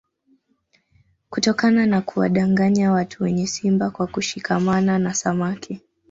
Kutokana na kuwadanganya watu wenye simba kwa kushikamana na samaki